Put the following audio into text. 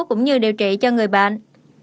cũng như điều trị cho người bệnh